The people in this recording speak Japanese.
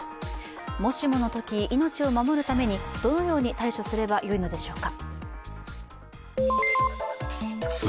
もしものとき、命を守るためにどのように対処すればいいのでしょうか。